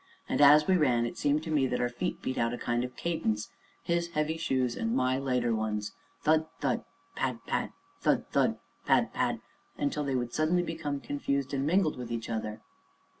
And, as we ran, it seemed to me that our feet beat out a kind of cadence his heavy shoes, and my lighter ones. Thud! thud! pad! pad! thud! thud! pad! pad! until they would suddenly become confused, and mingle with each other.